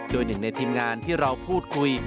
โดยหนึ่งในทีมงานที่เราพูดคุย